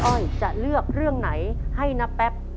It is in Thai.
้อยจะเลือกเรื่องไหนให้น้าแป๊บ